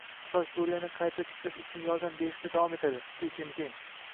Xitoy Suriyani qayta tiklash uchun yordam berishda davom etadi — Si Szinpin